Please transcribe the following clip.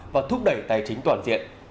và thúc đẩy tài chính toàn diện